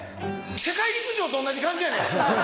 世界陸上と同じ感じやねん。